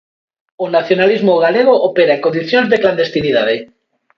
O nacionalismo galego opera en condicións de clandestinidade.